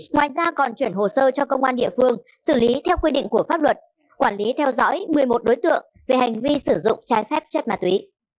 ngoài ra còn chuyển hồ sơ cho công an địa phương xử lý theo quy định của pháp luật quản lý theo dõi một mươi một đối tượng về hành vi sử dụng trái phép chất ma túy